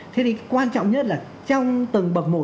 thế thì quan trọng nhất là trong tầng bậc một